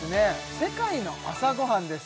世界の朝ごはんです